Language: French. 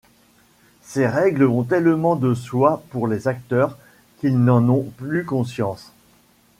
Ces règles vont tellement de soi pour les acteurs, qu’ils n’en ont plus conscience.